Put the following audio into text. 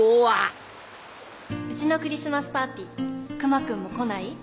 うちのクリスマスパーティー熊くんも来ない？